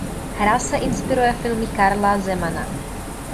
Hra se inspiruje filmy Karla Zemana.